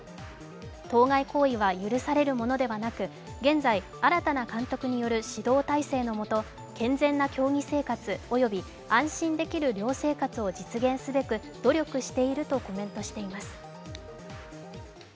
当該行為は許されるものではなく現在、新たな監督による指導体制のもと健全な競技生活、および安心できる寮生活を実現すべく努力しているとコメントしています。